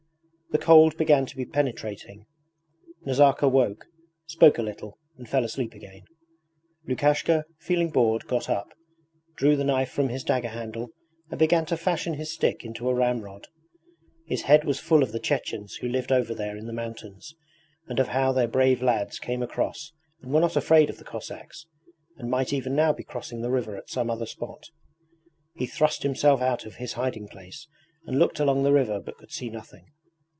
The cold began to be penetrating. Nazarka awoke, spoke a little, and fell asleep again. Lukashka feeling bored got up, drew the knife from his dagger handle and began to fashion his stick into a ramrod. His head was full of the Chechens who lived over there in the mountains, and of how their brave lads came across and were not afraid of the Cossacks, and might even now be crossing the river at some other spot. He thrust himself out of his hiding place and looked along the river but could see nothing.